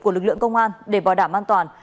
của lực lượng công an để bảo đảm an toàn